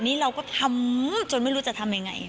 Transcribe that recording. นี่เราก็ทำจนไม่รู้จะทำยังไง